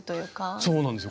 そうなんですよ